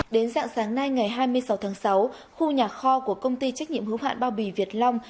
đến dạng sáng nay ngày hai mươi sáu tháng sáu khu nhà kho của công ty trách nhiệm hữu hạn bao bì việt long